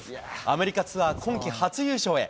アメリカツアー、今季初優勝へ。